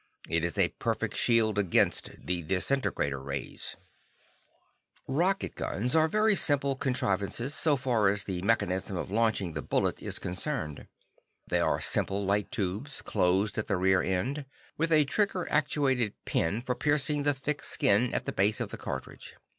It is a perfect shield against the disintegrator rays. [Illustration: Setting his rocket gun for a long distance shot.] Rocket guns are very simple contrivances so far as the mechanism of launching the bullet is concerned. They are simple light tubes, closed at the rear end, with a trigger actuated pin for piercing the thin skin at the base of the cartridge.